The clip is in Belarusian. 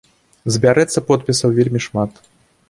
Збярэцца подпісаў вельмі шмат.